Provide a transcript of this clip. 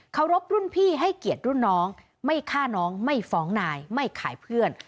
รบรุ่นพี่ให้เกียรติรุ่นน้องไม่ฆ่าน้องไม่ฟ้องนายไม่ขายเพื่อน